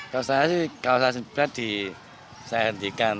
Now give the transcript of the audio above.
kalau saya sih kalau saya sempat saya hentikan